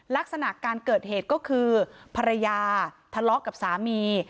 ลักษณะการเกิดเหตุก็คือภรรยาทะเลาะกับสามี